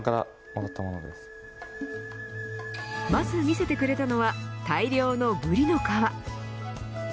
まず見せてくれたのは大量のブリの皮。